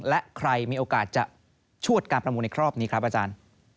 และใครมีโอกาสจะชวดการประมูลในรอบนี้ครับอาจารย์